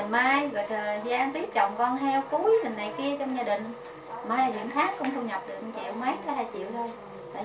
mai thì tháng cũng thu nhập được một triệu mấy tới hai triệu thôi